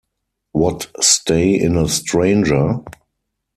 What stay in a stranger?